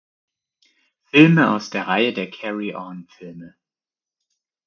Film aus der Reihe der Carry-on…-Filme.